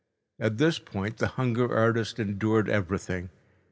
At this point, the hunger artist endured everything.